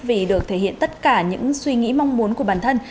vì được thể hiện tất cả những suy nghĩ mong muốn của bản thân